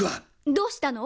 どうしたの？